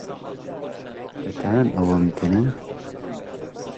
دەتوانن ئەمەم پێ بدەن؟